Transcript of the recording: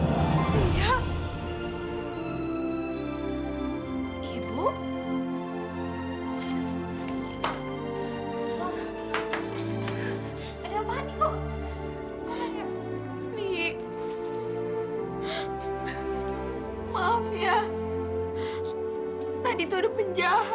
sampai jumpa di video selanjutnya